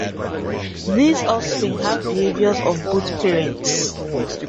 These offspring have behaviors of both parents.